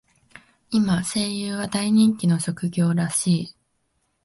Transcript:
今、声優は大人気の職業らしい。